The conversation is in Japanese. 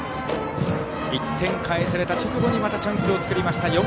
１点返された直後にまたチャンスを作りました。